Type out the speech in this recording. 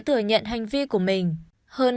thừa nhận hành vi của mình hơn